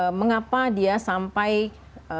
kemudian mengapa dia sampai ada di negara negara yang non endemis